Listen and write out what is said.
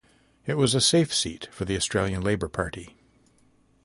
It was a safe seat for the Australian Labor Party.